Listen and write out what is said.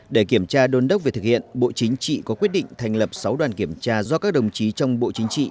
để kiểm tra đôn đốc về thực hiện bộ chính trị có quyết định thành lập sáu đoàn kiểm tra do các đồng chí trong bộ chính trị